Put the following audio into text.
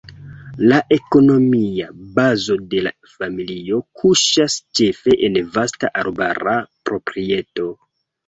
La ekonomia bazo de la familio kuŝas ĉefe en vasta arbara proprieto.